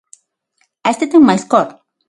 Este ten máis cor.